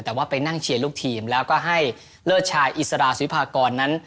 แต่ว่าไปนั่งเชียร์ลูกทีมแล้วก็ให้เลิศชายอิสราศิพากรนั้น